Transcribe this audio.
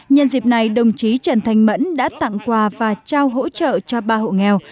nhân dịp này đồng chí trần thanh mẫn đã tặng quà và trao hỗ trợ cho ba hộ nghèo